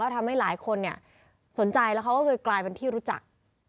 ทำให้หลายคนสนใจแล้วเขาก็เลยกลายเป็นที่รู้จัก